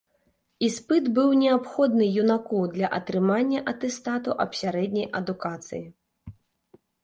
Іспыт быў неабходны юнаку для атрымання атэстату аб сярэдняй адукацыі.